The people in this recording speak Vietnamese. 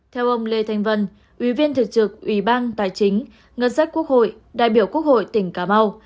theo ông lê thanh vân ủy viên thực trực ủy ban tài chính ngân sách quốc hội đại biểu quốc hội tỉnh cà mau